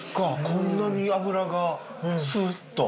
こんなに脂がスーッと。